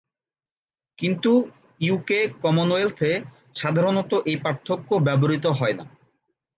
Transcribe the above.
কিন্তু ইউকে/কমনয়েলথ এ সাধারণত এই পার্থক্য ব্যবহৃত হয়না।